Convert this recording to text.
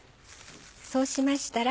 そうしましたら。